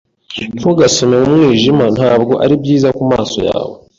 Ntugasome mu mwijima. Ntabwo ari byiza kumaso yawe.